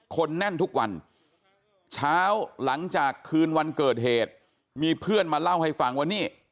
คนแน่นทุกวันเช้าหลังจากคืนวันเกิดเหตุมีเพื่อนมาเล่าให้ฟังว่านี่